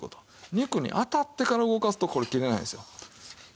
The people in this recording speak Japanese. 肉に当たってから動かすとこれ切れないんですよ。